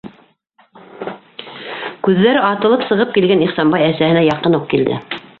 - Күҙҙәре атылып сығып килгән Ихсанбай әсәһенә яҡын уҡ килде.